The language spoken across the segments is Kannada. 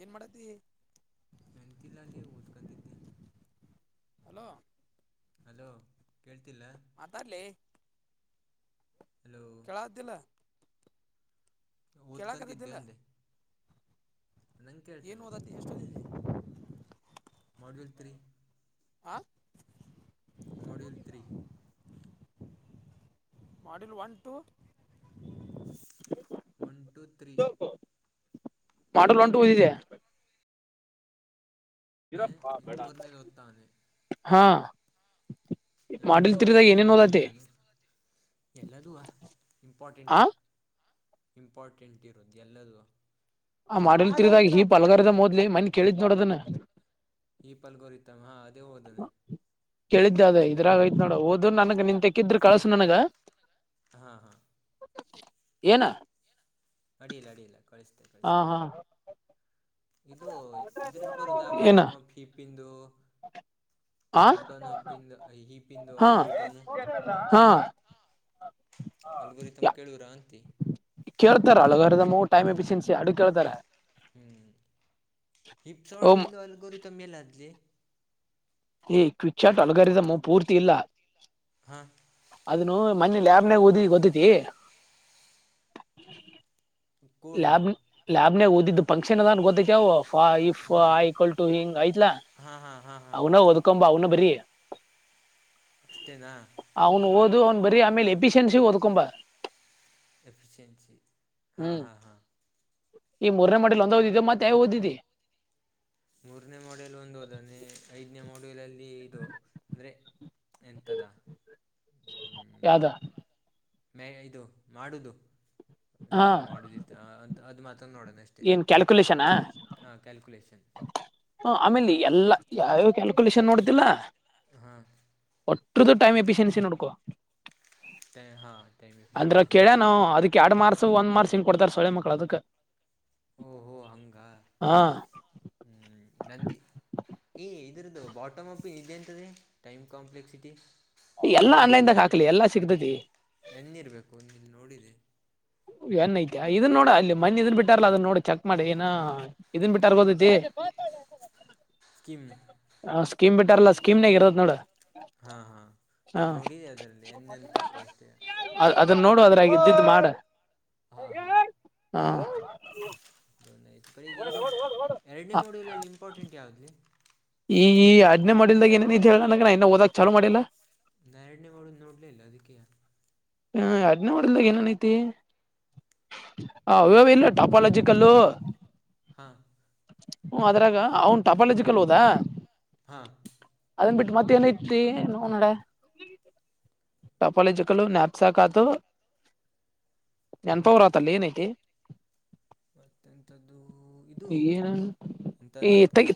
ಏನ್ ಮಾಡತಿ ಮೆಂತಿಲ್ಲ ಅಲೇ ಓದ್ಕತಿದ್ದೆ ಹಲೋ ಹಲೋ ಕೇಳ್ತಿಲ್ಲ ಮಾತಾಡ್ಲಿ ಹಲೋ ಕೇಳ್ತಿಲ ಓದ್ಕಂತಿದ್ದೆ ಅಂದೆ ನಂಗೆ ಏನ್ ಕೇಳ್ತದೆ ಓದತಿ ಎಷ್ಟೊಲ್ಲಿ ಮೊಡೂಲ್ ತ್ರಿ ಹ ಮೊಡ್ಯೂಲ್ ತ್ರೀ ಮಾಡಲ್ one two one two three module one two ಇದೆ ಈಗ ಮೂರನೇದು ಓದ್ತಾವನೆ ಹಾ ಎರಡನೇ ಮಾಡಲ್ ತ್ರಿ ದಾಗ ಇದರಲ್ಲಿ ಏನೇನ್ ಹೋದತೆ ನೋಡ್ಲಾಗೆ ಎಲ್ಲದೂ ಇಂಪಾರ್ಟೆಂಟ್ ಆ ಇಂಪಾರ್ಟೆಂಟ್ ಇರೋದು ಎಲ್ಲದು ಆ ಮಾಡುಲ ತ್ರಿದಾಗ ಹೀಪ್ ಅಲ್ಗಾರೀದಮ ಓದ ಲೇ ಮನ್ನೇ ಕೇಳಿದ್ ನೋಡ ಅದನ ಹೀಪ್ ಅಲ್ಗಾರೀದಮ ಹಾ ಅದೇ ಓದ ಕೇಳಿದ್ದ ಅದ ಇದ್ರಾಗೈತ್ ನೋಡ ಓದ ನನಗ ನಿನ್ ತೆಕ್ಕಿದ್ರ ಕಳ್ಸ ನನಗ ಹಾ ಹಾ ಏನ ಅಡ್ಡಿಲ್ಲ ಅಡ್ಡಿಲ್ಲ ಕಳಿಸ್ತೇನಿ ಹಾ ಕಳಿಸ್ತೇನಿ ಹಾ ಇದು ಇದ್ರದು ಬರುದ ಏನ ಬಾಟೋಮ ಅಪ್ ಹೀಫಿಂದು [inaudible] ಟಾಪ್ ಡೌನ್ ಹ ಹಿಪಿಂದ ಹಾ ಅಲ್ಗುರೀದಮ್ಮ ಹಾ ಅಲ್ಗುರಿದಮ ಕೇಳುದರಾ ಅಂತಿ ಕೇಳ್ತಾರ ಅಲ್ಗುರೀದಮ್ಮ ಟೈಮ್ ಎಫಿಸಿಯನ್ಸಿ ಯಾಡು ಕೇಳ್ತಾರ ಹ್ಮ್ ಓ ಹಿಪ್ಸರೂಟಿಂದು ಅಲ್ಗುರೀದಮ ಎಲ್ಲೆ ಆದ ಲೇ ಏ ಕ್ವಿಚಾರ್ಟ್ ಅಲಗಾರಿದಮ್ಮ ಪೂರ್ತಿ ಇಲ್ಲ ಹಾ ಅದನು ಮನ್ನೇ ಲ್ಯಾಬ್ನಾಗ ಓದಿ ಗೊತ್ತತಿ ಕೂಡನ ಮನ್ನೇ ಓದಿದ್ದ್ ಫಂಕ್ಷನ್ ಅದನ್ ಗೊತ್ತತಿ ಪಂಕ್ಷಣ ಇಫ್ ಹಾಂ ಐ ಈಕ್ವಲ್ ಟು ಹಿಂಗ್ ಐತಲ ಹಾಂ ಹಾಂ ಹಾಂ ಹಾಂ ಅವನು ಒದಕೊ ಬಾ ಅವನ ಬರಿ ಅಷ್ಟೇನಾ ಇದು ಒಂದ್ ಬರಿ ಆಮೇಲೆ ಎಫಿಷಿಯನ್ಸಿ ಹೊದ್ಕೊಂಬಾ ಎಫಿಶಿಯನ್ಸಿ ಹಾ ಹ್ಮ್ ಹಾ ಹಾ ಈ ಮೂರನೇ ಮಾಡುಲ ಒಂದ ಓದಿದಿ ಮತ್ತೆ ಯಾವ್ಯಾವ ಓದಿದಿ ಮೂರನೇ ಮಾಡುಲ್ ಒಂದ ಓದೆನಿ ಐದನೇ ಮಾಡುಲಲ್ಲಿ ಇದು ಅಂದರೆ ಎಂತದಾ ಹ್ಮ ಇದು ಯಾವ್ದ ಮೇ ಇದು ಮಾಡುಲು ಹಾ ಎಂತ ಮಾಡುಲ ಅದು ಮಾತ್ರ ತ ನೋಡೋಣ ಅಷ್ಟೇ ಏನ್ ಕ್ಯಾಲ್ಕುಲೇಷನ್ ಏನ ಕ್ಯಾಲ್ಕುಲಷನ್ ಹ ಕ್ಯಾಲ್ಕುಲಷನ್ ಹ ಆಮೇಲೆ ಎಲ್ಲ ಯಾವ್ಯಾವ ಕ್ಯಾಲ್ಕುಲೇಷನ್ ನೋಡುದಿಲ್ಲ ಹಾಂ ಒ ಒಷ್ಟುರದ್ದು ಟೈಮ್ ಎಫಿಷಿಯನ್ಸಿ ನೋಡಕೋ ಹಾ ಟೈಮ್ ಟೈಮ್ ಎಫಿಷಿಯನ್ಸಿ ಹಾ ಕೇಳ್ಯಾನ ಅವ ಅದಕ್ ಕೇಳನೋ ಎರಡ್ ಅವ ಮಾರ್ಕ್ಸ್ ಒಂದ್ ಮಾರ್ಕ್ಸ್ ಹಿಂಗ ಕೊಡ್ತಾರ ಸೂಳೆ ಮಕ್ಕಳು ಅದಕ್ ಓಹೋ ಹಂಗ ಹಾ ಹ್ಮ ನಂದಿ ಏ ಇದರದ ಬಾಟ್ ಅಪ್ ಇದ ಎಂತದೆ ಟೈಮ್ ಕಾಂಪ್ಲೆಕ್ಸಿಟಿ ಎಲ್ಲಾ ಎನ್ ಅಲ್ಲೇನಾ ಆನ್ಲೈನ್ದಾಗ ಹಾಕ ಲೇ ಎಲ್ಲಾ ಸಿಗತತಿ ಎನ್ ಇರಬೇಕು ಇಲ್ಲಿ ನೋಡಿದೆ ಏನ್ ಐತ ಇದನ್ ನೋಡ ಅಲ್ಲಿ ಮನ್ನಿ ಇದನ್ ಬಿಟ್ಟಾರಲ್ಲ ಅದನ್ ನೋಡ ಚೆಕ್ ಮಾಡಿ ಏನ ಇದನ್ ಬಿಟ್ಟಾರ ಗೊತ್ತತಿ ಬ [unintelligible] ಸ್ಕೀಮ್ ಹ ಸ್ಕೀಮ ಬಿಟ್ಟಾರಲ್ಲ ಸ್ಕೀಮನ್ಯಾಗ ಇರತ್ತತಿ ನೋಡ ಹಾ ಹಾ ಹ ನೋಡಿದೆ ಅದರಲ್ಲಿ ಎನ ಅಂತಿತ್ತು ಅಷ್ಟೇ ಅದನ್ನ ನೋಡುವ ಅದ್ರಾಗಿದಿದ್ದ ಮಾಡ ಹಾಂ ಹಾಂ ಹಾ ಈಗ ಇದು ಎರಡನೇ ಮಾಡುಲಲ್ಲಿ ಇಂಪಾರ್ಟೆಂಟ್ ಯಾವದ ಲೇ ಈ ಈ ಯಾಡನೆ ಮಾಡುಲ್ದಾಗ ಏನೇನ ಐತಿ ಹೇಳ ನಂಗ ನಾ ಇನ್ನ ಓದಾಗಕ್ ಚಾಲು ಮಾಡಿಲ್ಲಾ ನಾ ಎರಡನೇ ಮಾಡುಲ ಇನ್ನೂ ನೋಡಲೇ ಇಲ್ಲ ಅದಕ್ಕೆಯ ಹೇಳದೇ ಹ ಎಡನೆ ಮಾಡುಲ್ದಾಗ ಏನೇನ ಐತಿ ಹ ಇಲ್ಲ ಟಾಪಾಲೋಜಿಕಲ್ಲು ಹಾ ಹ್ಮ ಅದ್ರಾಗ ಅವನ ಟೂಪಾಲಾಜಿಕಲ್ ಓದಾ ಹಾ ಅದನ್ ಬಿಟ್ಟು ಮತ್ತ ಏನ ಐತಿ ನೋ ಅವನ ಅವ್ವನ ಹಡ ಟಾಪಾಲಜಿಕಲ್ಲು ಸಾಕತು ನೆನಪ ಬರವತ ಲೇ ಏನೈತಿ ಮತ್ತೆಂತದ್ದು ಇದು ಏನ್ ಎಂತ ಅಂತರದಕ್ಕೆ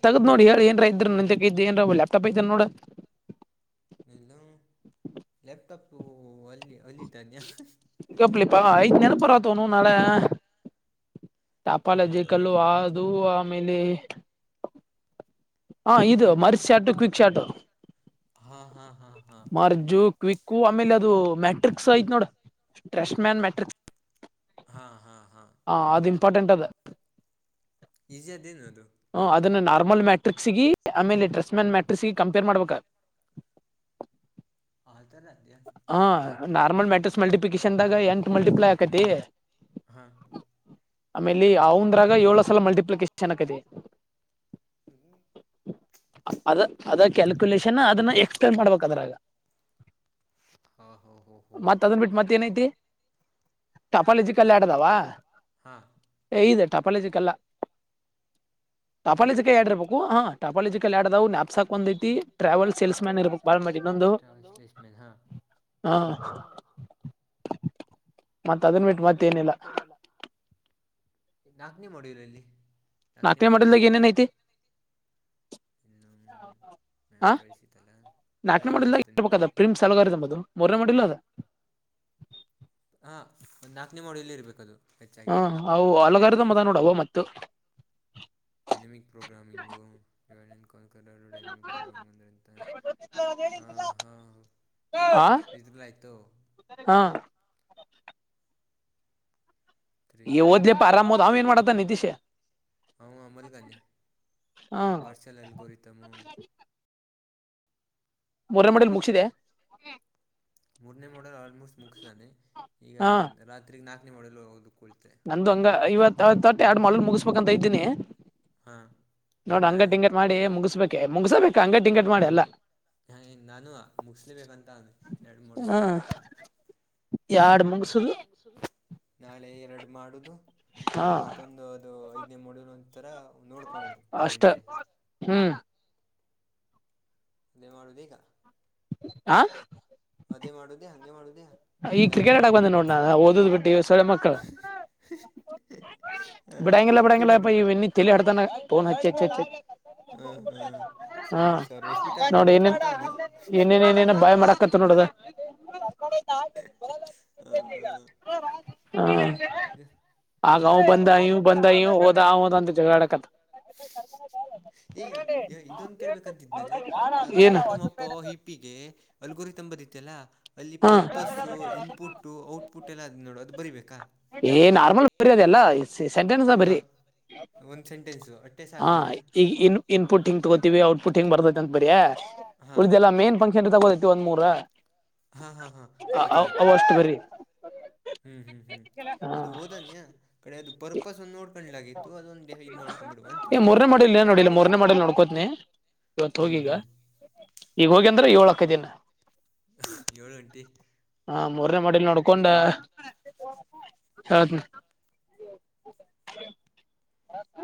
ನಿಂತ ಇದ ಏನ್ ಲ್ಯಾಪ್ಟಾಪ್ ಐತನ ನೋಡು ಎಲ್ಲ ಲ್ಯಾಪ್ಟಾಪ್ ವಲ್ಲಿ ಅಲ್ಲಿ ಅಲ್ಲಿಟ್ಟಾನ್ಯಾ ಗಪ್ಪಲೆ ಪಾ ಐದು ನೆನಪರಾ ತೋಣು ನಳ ಟಾಪಾಲಜಿ ಕಲ್ಲು ಅದು ಆಮೇಲೆ ಹಾ ಇದು ಮರ್ಸ್ ಚಾಟ ಕ್ವಿಕ್ ಚಾಟು ಹಾಂ ಹಾಂ ಹಾಂ ಹಾಂ ಮಾರ್ಜು ಕ್ವಿಕ್ಕು ಆಮೇಲೆ ಅದು ಮ್ಯಾಟ್ರಿಕ್ಸ್ ಐತ್ ನೋಡು ಡ್ರೆಸಮ್ನೆನ್ ಮೆಟ್ರಿಕ್ ಹಾ ಹಾ ಹಾ ಅದು ಇಂಪಾರ್ಟೆಂಟ್ ಅದ ಈಜದೇನ ಅದು ಹ ಅದನ್ನ ನಾರ್ಮಲ್ ಮ್ಯಾಟ್ರಿಕ್ಸಿಗೆ ಆಮೇಲೆ ಡ್ರೆಸ್ ಮ್ಯಾನ್ ಮ್ಯಾಟ್ರಿಕ್ಸಿಗೆ ಕಂಪೇರ್ ಮಾಡ್ಬೇಕೆ [inaudible] ಆ ಥರ ಅದ್ಯಾ ಹಾ ನೋಡುವ ನಾರ್ಮಲ್ ಮ್ಯಾಟ್ರಿಕ್ಸ್ ಮಲ್ಟಿಪ್ಲಿಕೇಶನ್ದಾಗ ಎಂಟ್ಟು ಮಲ್ಟಿಪ್ಲೈ ಆಕತಿ ಹಾ ಆಮೇಲಿ ಅವಂದ್ರಾಗ ಏಳ ಸಲ ಮಲ್ಟಿಪ್ಲಿಕೇಶನ್ನಕ್ದೆ ಹ ಅದ ಅದ ಕ್ಯಾಲ್ಕುಲೇಷನ್ ಅದನ್ನ ಎಕ್ಸ್ಪನ್ ಮಾಡ್ಬೇಕದ್ರಗ ಹಾ ಹೋ ಹೋ ಹೋ ಮತ್ತ ಅದನ್ ಬಿಟ್ಟು ಮತ್ತ ಏನೈತಿ ಟಫಲ್ಜ ಕಲ್ಲಿ ಏಡದಾವ ಹಾ ಇದೆ ಟಪಾಲ ಯೋಜಿಕಲ್ಲ ಟಪಾಲಿ ಜ ಕೈ ಆಡಿ ಇರ್ಬೇಕು ಹಾ ಟಪಾಲಿ ಕೈಲ್ ಆಡದಾವು ನಾಪ್ಸಾಕ್ ಒಂದೈ ಟ್ರಾವೆಲ್ ಸೇಲ್ಸ್ ಮ್ಯಾನ್ ಇರ್ಬೇಕಕ್ ಬಾಲ್ ಮಾಡಿ ಇನ್ನೊಂದು ಹಾ ಮತ್ತ ಅದನ್ ಬಿಟ್ಟು ಮತ್ತ ಏನಿಲ್ಲ ನಾಕ್ ನೀ ಮಾಡಿಲ್ಲ ಇಲ್ಲಿ ನಾತ ಮಡಲಲ್ಲ ಎನ್ ಎನ್ ಹೈತಿ ಇನ್ನು ಮ್ಯಾಮ್ ಹ ಕಳಿಸಿದ್ದಲ್ಲ ನಾಕ್ನ ಅದೇ ಮಾಡ ನೋಡ್ತೀನಿಲ್ಲ ಇಬೇಕದ ಪ್ರಿಮ್ಸಗಾರದು ಮ ಮಾಡಿ ಇಲ್ಲ ಅದು ಹಾ ಒಂದು ನಾಲ್ಕನೇ ಮಾಡ ಎಲ್ಲಿ ಇರ್ಬೇಕದು ಹಾ ಅವು ಹಲಗಾರದ ಮತ ನೋಡವ ಮತ್ತ ಗ್ಂದ್ರಂತ ಹ ಹಾ ಹಾ ಇದರಿಲೆ ಆಯ್ತು ಹಾ ತೀ ಈ ಜತ ಓದ್ಲಿಪ್ಪ ಆರಾಮ್ ಓದ್ ಅವ ಏನ್ ಮಾಡತ್ತ ನಿತೀಶ್ ಅ ಅಮಲ್ ಕ ಹಾ ವಾರ್ಷಲ್ಲ್ಗೋರಿತಮ ಮೊರ ಮಡೇಲ್ ಮುಗಸಿದೆೆ ಮೂರನೇ ಮಾಡೆಲ್ ಆಲ್ಮೋಸ್ಟ್ ಮುಖ್ಯಸಾನೆ ಈಗ ಹಾ ರಾತ್ರಿ ನಾಲ್ಕನೇ ಮಾಡೆಲ್ ಹ ನಂದು ಹಂಗ ಇವತ್ವತ್ತು ತಟ್ಟ ಎರಡು ಮಾಡ ಮುಗಿಸಸ್ಬೇಕಂತ ಇದ್ದೀನಿ ಹಾಂ ನೋಡ ಅಂಗ ನಾಳೆ ಟಂಕಟ ಮಾಡಿ ಮುಗಿಸಬೇಕೇ ಮುಗಸಬೇಕ ಅಂಗ ಟಂಕಟ್ ಮಾಡಿ ಎಲ್ಲಾ ಹ ನಾನು ಮುಗಲಿಬೇಕಂತ ಎರಡು ಮೂಡಿಲ್ಲಿ ಯಾಡಾ ಮುಗಸುದು ನಾಳೆ ಎರಡು ಮಾಡುದು ಹಾ ಮತ್ತೊಂದು ಅದು ಐದನೇ ಮೂಡಿನ ಒಂತರ ನೋಡ್ಕಳದು ಮ್ಯಾಲಜ್ ಅಷ್ಟ ಮೇಲೆ ಹ್ಮ್ ಅದೇ ಮಾಡುವುದ ಈಗ ಆ ಅದೇ ಮಾಡುದೆ ಹಂಗೆ ಮಾಡುದೆ ಈಗ ಕ್ರಿಕೆಟ್ ಆಡಕ್ ಬಂದಿದೀನಿ ನೋಡ ಓದದ್ ಬಿಟ್ಟು ಸೊಳ್ಳೆ ಮಕ್ಕಳು ಹಾಂ ಬಿಡಂಗಿಲ್ಲ ಕ್ರಿಕೆಟ್ ಬಿಡಾಂಗಲ್ಲ ಆಡು ಪ ಇ ವಿನಿಗೆ ಹಡ್ತಾನ ಫೋನ್ ಹಚ್ಚಿಚ್ಚಚ್ಚ ಹ್ಮ್ ಹ್ಮ ಸ ಸರ್ವೇಶ್ ಬಿಟ ನೋಡಿ ಹೋಗತ್ಕಂತ ಅವನೆ ತ್ ನೋಡದ ಹ್ಮ ಹಾ ಹ್ಮ ಆಗ ಬಂದ ಇವು ಬಂದ ಇ ಹದ ಹದ ಅಂತ ಜಾಡಕತ್ ಎ ಏಯ ಇದೊಂದು ಕೇಳ್ಬೇಕಂತಿದ್ನಲ್ಲಿ ಯಾವವು್ದ ಏನ್ ಬಾಟಮ್ ಅಪ್ ಹಿಪಿಗೆ ಅಲ್ಗುರಿ ಬರತಲ್ಲ ಅಲ್ಲಿ ಹಾ ಪರ್ಪಸ್ ಇನ್ಪುಟ್ ಔಟ್ಪುಟ್ ಎಲ್ಲ ನೋಡು ಅದು ಬರಿಬೇಕಾ ಏ ನಾರ್ಮಲ್ ಬರ ಅದೆಲ್ಲ ಸೆಂಟೆನ್ಸ್ ಬರಿ ಹಾಂ ಒಂದು ಸೆಂಟೆನ್ಸು ಅಟ್ಟೆ ಹಾ ಸಾಕಲ್ಲೇನಾ ಈಗ ಇನ್ ಇನ್ಪುಟ್ ಹಿಂಗ ತಗೋತೀವಿ ಔಟ್ಪುಟ್ ಿಂಗ್ ಬರ್ದೈತೆ ಅಂತ ಬರಿ ಹಾಂ ಉಳ್ದ ಎಲ್ಲ ಮೇನ್ ಫಂಕ್ಷನ್ ತಗೋದೈತಿ ಒಂದ್ ಮೂೂರ ಹಾಂ ಹಾಂ ಹಾಂ ಅವಷ್ಟು ಬರಿ ಹ್ಮ್ ಹ್ಮ್ ಹ್ಮ್ ಹಾ ಅದು ಓದನ್ಯ ಕಡೆ ಅದು ಪರ್ಪಸ್ ಒಂದು ನೋಡ್ಕೊಂಡ್ಲಾಗಿತ್ತು ಅದೊಂದು ನೋಡ್ಕೊಂಬಿಡುವ ಅಂತ ಏ ಅಷ್ಟೇ ಮರನೇ ಮಾಡಿಲ್ ಏ ನೋಡಿಲ್ಲ ಮರನೇ ಮಾಡಿಲ್ ನೋಡ್ಕೋತ್ನ ಇವತ್ತು ಹ್ಞೂ ಹೋಗಿ ಈಗ ಹ್ಞೂ ಈಗ ಹೋಗ್ಯ ಅಂದ್ರ ಏಳಕ್ಕ ದಿನ ಏಳು ಗಂಟೆ ಹಾ ಮೂರನೇ ಮಾಡಲ್ ನೋಡ್ಕೊಂಡ ಹೌದು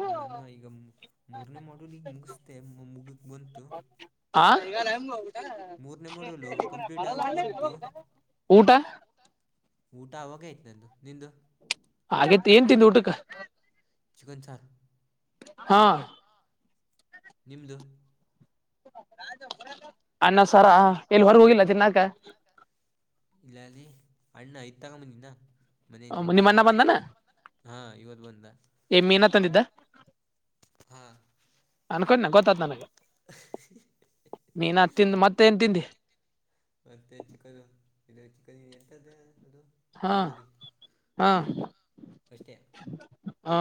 ನಾನು ಈಗ ಮೂರನೇ ಮಾಡಲ್ ಈಗ ಮುಗಿಸ್ದೆ ಮುಗ ಹ ಮೂರನೇ ಮೊಡಲು ಕಂಪ್ಲೀಟ್ ಆಗ ಬಂತು ಊಟ ಊಟ ಆಾಗ ಆಯ್ತ ನಂದು ನಿಂದು ಹಾಗೇತಿ ಏನ್ ತಂದು ಊಟಕ್ಕೆ ಚಗನ್ ಸರ್ ಹಾ ನಿಮದುು ಅನ್ನ ಸರ ಎಲ್ಲಿ ಹೊರ್ಗ ಹೋಗಿಲ್ಲ ತಿನ್ನಾಕ ಇಲ್ಲ ಅಲ್ಲಿ ಅಣ್ಣ ಐತ್ ತಗೊಂಡ್ ಬಂದಿದ. ಮನೆಯಿಂದ ಊಟ ನಿಮ್ ಅಣ್ಣ ಬಂದನ ಹಾ ಇವತ್ತು ಬಂದ. ಏ ಮೀನಾ ತಂದಿದ್ದ. ಹಾ. ಅನ್ಕೊಂಡನೀ ನಾ ಗೊತ್ತತ್ ನನಗೆ ನೀನು ತಿಂದು ಮತ್ತೆ ಏನ್ ತಿಂದಿ. ಮತ್ತೆ ಚಿಕನು ಇದು ಚಿಕನ್ ಹೆಂತದಾ. ಅದು ಹಾ ತಂದೂರಿ ಹಾ ಅಷ್ಟೇ. ಹಾ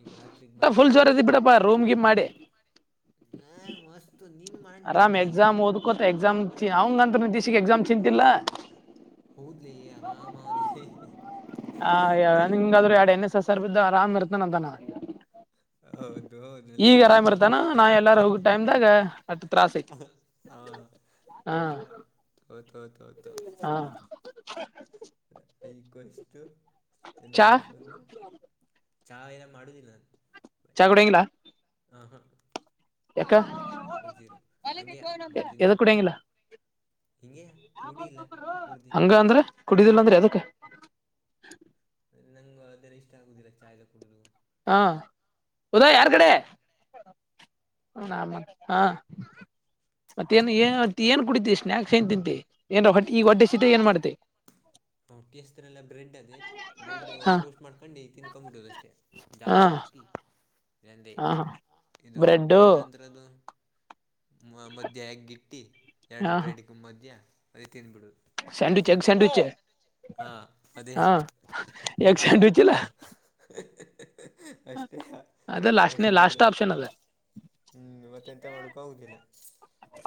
ಈಗ ರಾತ್ರಿಗೆ ಫುಲ್ ಮತ್ತೆ ಜೋರ ಅದಿ ಬಿಡಪ್ಪಾ ರೂಮ್ ಗಿಮ್ ಮಾಡಿ. ಗ ಮಸ್ತ್. ಅರಾಮ್ ಎಕ್ಸಾಮ್ ಓದ್ಕೊತ ಎಕ್ಸಾಮ್ ಅವಂಗಂತ ನಿ ದೀಶೆಗೆ ಎಕ್ಸಾಮ್ ಚಿಂತಲ್ಲಾ. ಹೌದಲೆ ಆರಾಮ ಅವನ. ಹ ಹಿಂಗಾದ್ರು ಎರಡ್ ಎಣ್ಣೇ ಸಸರ ಬಿದ್ದ ಆರಾಮ್ ಇರ್ತಾನ ಅಂತಾನ ಇವ. ಹೌದು. ಹೌದಲ್ಲ ಈಗ ಆರಾಮ್ ಇರ್ತಾನ ನಾ ಎಲ್ಲಾರ ಹೋಗೋ ಟೈಮ್ದಾಗ. ಅಟ್ಟು ತ್ರಾಸ ಐತಿ ಹಾಂ ಹಾ ಅದೇ ಹೋತು ಹೋತು ಹಾ. [unintelligible] ಐಕ್ವೆಷ್ಟು ಎನ್ ಚಾ ಮೈನಸ್ ಒಂದು. ಚಾಯ ಎಲ್ಲ ಮಾಡುದಿಲ್ಲ. ಚಾಗುಡಂಗಿಲ್ಲ. ಆ ಹಾ. ಟು ಜೀರೋ ಹಾಗೇ ಎದಕ್ ಮೊದ್ಲಿಂದಲೇ. ಕುಡಿಯಂಗಿಲ್ಲ ಕುಡ್ದು ಹಂಗ ಅಂದ್ರ. ಕುಡಿದಿಲ್ಲಂದ್ರೆ ಏದಕ್ಕ. ನಂಗ ಅದೇಲ್ಲ ಇಷ್ಟ ಆಗುದಿಲ್ಲ ಚಾಯ್ ಎಲ್ಲಾ ಕುೂಡುದು. ಹಾ ಉದಯ ಯಾರ್ ಕಡೆ. ಹ ಅಮ್ಯಾಕ್ ಹಾ. ಮತ್ತ ಏನ್ ಏ ಏನ್ ಕುಡಿತತಿ ಸ್ನಾಯಕ್ಸ್ ಏನ್ ತಿಂತಿ ಏನ್ ಹೊಟ್ಟ ಈಗ ಹೊಟಿ ಹಸಿತ್ ಏನ್ ಮಾಡ್ತತಿ. ಹೊಟ್ಟೆ ಹಸಿದ್ರಲ್ಲ ಬ್ರೆಡ್ ಅದೇ ಬ್ರೆಡ್ ಹಾ ಟೋಸ್ಟ್ ಮಾಡ್ಕೊಂಡು ತಿನ್ಕೊಂಡ್ಬಿಟ್ಟದ ಅಷ್ಟೇ. ಹಾ ಜಾಮ್ ಹಾಕಿ ಎಂದೆ ಹಾ ಇದು ಬ್ರೆಡ್ಡು ಎಂತ್ರ ಅಂತ್ರಾದು. ಮ ಮಧ್ಯ ಎಗ್ಗ ಇಟ್ಟಿ ಎರಡು ಹಾ ಬ್ರೆಡ್ಗೆ ಮಧ್ಯ ಅದೇ ತಿಂಡ್ಬಿಡಿಡು. Sandwich egg. ಸ್ಯಾಂಡವಿಚ್ ಹಾಂ ಅದೇ ಹ ಎಗ್ ಅಷ್ಟೇ ಸ್ಯಾಂಡ್ವಿಚ್ ಅಲಾ. ಅಷ್ಟೇ ಅದ ಹೊಸ ಲಾಸ್ಟ್ನೇ ಆದ್ರೆ ಲಾಸ್ಟ್ ಆಪ್ಷನ್ ಅದ ಹ್ಮ್ ಮತ್ತ. ಎಂತ ಮಾಡ್ಕ ಆಗುದಿಲ್ಲ.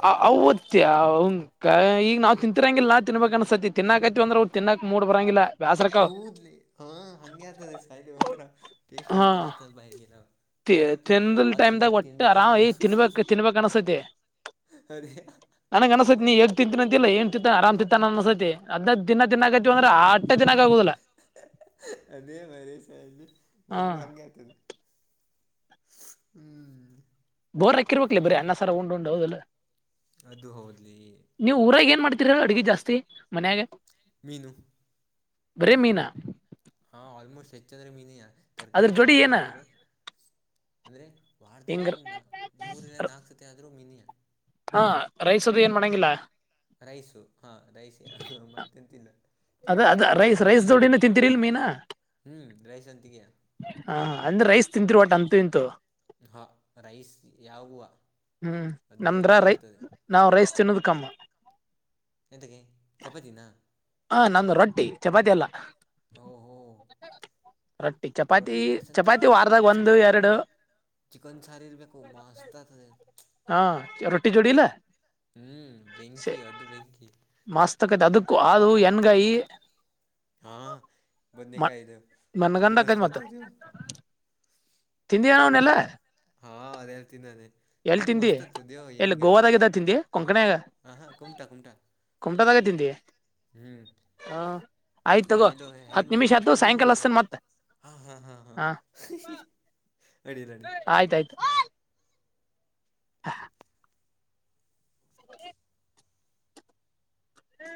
ಆ ಓದತ್ತ ಈಗ ನಾವ್ ತಿಂತರಂಗಿಲ್ಲ ನಾ ತಿನ್ಬೇಕ ಅನ್ಸತಿ ತಿನ್ನಕತಿವಂದ್ರ ತಿದ್ತಿನಿ. ತಿನ್ನಾಕ್ ಮೂಡ್ ಬರಾಂಗಿಲ್ಲ. ಹೌದಲೆ ಹಾ ಹಂಗೆ ಆತದೆ ಸಾಯ ಒಥರ ಟೇಸ್ಟ್ ಹಾ ಒಂತರ ಆಗ್ತದ ಬಾಯಿಗೆನ. ತಿಂದಲ್ ಟೈಮೆದಾಗ್ ಒಟ್ಟೆ ಆರಾಮ್ ತಿನ್ಬೇಕ ತಿನ್ಬೇಕಕ್ ಅನ್ಸೈತಿ. ಅದೇ ನನಗ್ ಅನ್ಸತಿ ನೀ ಎಗ್ ತಿಂತನ ಅಂತಿಲ್ಲ ಏನ್ ತಿತ್ತ ಆರಾಮ್ ತಿತ್ತ ನನ್ ಅನಸ್ತೇತಿ. ಅದ ದಿನ ತಿನಾತ್ವಿವ ಅಂದ್ರೆ ಅಟ್ಟ ತಿನಕ ಆಗುದಿಲ್ಲ. ಹಾ ನಂಗು ಹಂಗೆ ಆಯ್ತದೆ ಹ್ಮ್. ಬೋರ್ ಆಗ್ತೀರಬೇಕ್ಲ ಬರಿ ಅನ್ನ ಸರ ಉಂಡುಂಡು ಹೌದಲ್ಲ. ಅದು ಹೌದಲೆ. ಅಡುಗೆ ಜಾಸ್ತಿ ಮನ್ಯಾಗ. ಮೀನು. ಬರೇ ಮೀನ. ಹಾ ಆಲ್ಮೋಸ್ಟ್ ಹೆಚ್ಚಂದ್ರ ಮೀನಯ ಅದ್ರ ತರಕಾರಿ ಜೋಡಿ ಸಾರು ಏನ ಮಾಡತ. ಅಂದ್ರೆ ವಾರದಲ್ಲಿ ಹಿಂಗ ಒಂದು ಮೂರ ಇಲ್ಲ ನಾಕ ಸತಿ ಆದ್ರೂ ಮಿನಿಯ. ಹ ರೈಸ್ ಅದು ಏನ್ ಮಾಡಂಗಿಲ್ಲ ರೈಸು ಹಾ ರೈಸ್ ಮತ್ತೆಂತಿಲ್ಲ. ಅದ ಚಪಾತಿ ಅದ ರೈಸ್ ತಿನ್ನೋದಿಲ್ಲ ರೈಸ್ ಅಷ್ಟು ಜೋಡಿನ ತಿಂತರಿಲ ಮೀನಾ. ಹ್ಞೂ ರೈಸ್ ಅಂತಿದೆಯಾ ಹ ಅಂದ್ರೆ ರೈಸ್ ತಿಂತೀರಿ ಒಟ ಅಂತು ನಿಂತು ಹಾ ರೈಸ್ ಯಾವುವುವ ಹ್ಮ್ ಅ್ದು ನಮ್ದ್ರ ಇದ್ದೇ ರೈ ಇರ್ತದೆ ನಾವ್ ರೈಸ್ ತಿನ್ನೋದು ಕಮ್ಮ ಎಂತಕ್ಕೆ ಚಪತೀಿನ ಹಾ ನಂದು ರೊಟ್ಟಿ ಚಪಾತಿ ಎಲ್ಲ ಓಹೋ ರೊಟ್ಟಿ ಚಪಾತಿ ರೊಟ್ಟಿ ಚಪಾತಿ ಸಂತಿಗೆ ವಾರದಾಗ ಒಂದು ಸಕ ಎರಡು ಚಿಕನ್ ಸಾರಿ ಇರ್ಬೇಕು ಮಸ್ತ್ ಆತದೆ ಹಾ ರೊಟಿ ಜೋಡಲ್ಲಾ ಹ್ಞೂ ಸ ಬೆಂಕಿ ಅದು ಬೆಂಕಿ ಮಾಸ್ತಕ್ಕ ಅದುಕ್ಕೂ ಅದು ಎನ್ಕಾಯಿ ಹಾ ಬಂದು ದಖಾಯ ದ ಬು ಮಸ್ತತ ನೀ ತಿಂದಿಯಾನನೆಲ್ಲ ಹಾ ಅದ ಹೇಳ್ತೀನಿ ನಾನೇ ಎಲ್ಲಿ ತಿಂದಿ ಎಲ್ಲಿ ಗೋವಾದಾಗ ಇದ ತಿಿಂದಿ ಕೊಂಕಣಾಗ ಹಾಂ ಹಾಂ ದಾಗಕೆಂದ ಹ್ಮ್ ಆಯ್ತ ತಗೋ ಹತ್ ನಿಮಿಷ ಆಯತ್ತುು ಸಾಯಂಕಾಲ ಅಷ್ಟತನ್ ಮತ್ತತ್ ಹಾ ಹಾ ಹಾ ಹಾ ಆಯ್ತಾಯ್ತು ಹ ಹ್ಮ